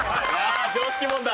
常識問題。